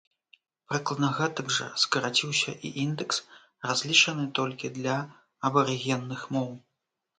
Прыкладна гэтак жа скараціўся і індэкс, разлічаны толькі для абарыгенных моў.